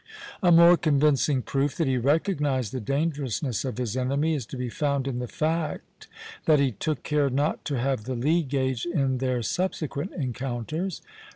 A more convincing proof that he recognized the dangerousness of his enemy is to be found in the fact that he took care not to have the lee gage in their subsequent encounters.